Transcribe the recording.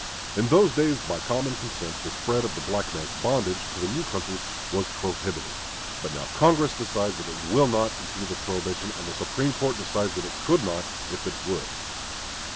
In those days, by common consent, the spread of the black man's bondage to the new countries was prohibited; but now Congress decides that it will not continue the prohibition, and the Supreme Court decides that it could not if it would.